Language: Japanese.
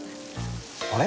あれ？